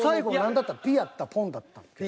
ピッやった？ポンだったっけな？